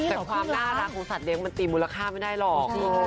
แต่ความน่ารักของสัตว์เลี้ยมันตีมูลค่าไม่ได้หรอก